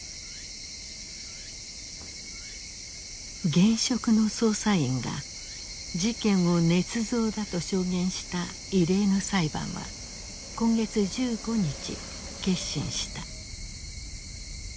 現職の捜査員が事件をねつ造だと証言した異例の裁判は今月１５日結審した。